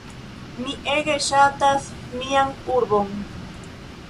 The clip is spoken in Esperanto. Mi ege ŝatas mian urbon.